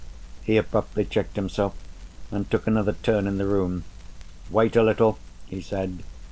He abruptly checked himself, and took another turn in the room. "Wait a little," he said.